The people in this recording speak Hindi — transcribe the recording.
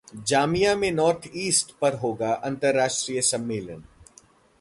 जामिया में नॉर्थ ईस्ट पर होगा अंतरराष्ट्रीय सम्मेलन